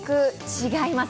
違います。